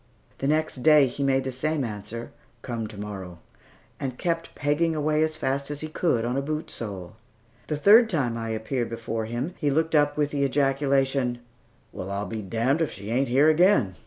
The next day, he made the same answer, "Come to morrow," and kept pegging away as fast as he could on a boot sole. The third time I appeared before him, he looked up with the ejaculation, "Well, I'll be damned, if she ain't here again!"